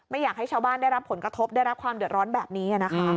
อยากให้ชาวบ้านได้รับผลกระทบได้รับความเดือดร้อนแบบนี้นะคะ